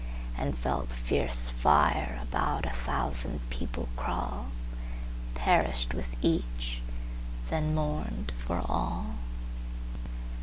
And felt fierce fireAbout a thousand people crawl; Perished with each,—then mourned for all!